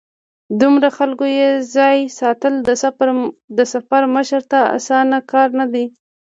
د دومره خلکو یو ځای ساتل د سفر مشر ته اسانه کار نه دی.